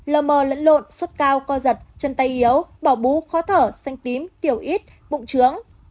lơ mờ lẫn lộn sốt cao co giật chân tay yếu bỏ bú khó thở xanh tím kiểu ít bụng trướng